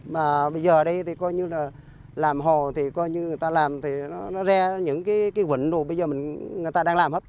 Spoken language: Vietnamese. mà bây giờ ở đây thì coi như là làm hồ thì coi như người ta làm thì nó ra những cái quỳnh đồ bây giờ mình người ta đang làm hết